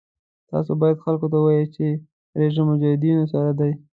تاسو باید خلکو ته ووایئ چې رژیم مجاهدینو سره دی.